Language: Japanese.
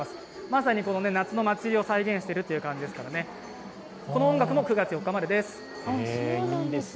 まさに夏の祭りを再現しているという感じで、この音楽も９月４日までです。